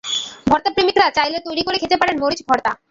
ভর্তাপ্রেমিকরা চাইলে তৈরি করে খেতে পারেন মরিচ ভর্তা।